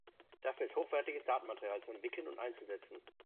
Dafür ist hochwertiges Datenmaterial zu entwickeln und einzusetzen.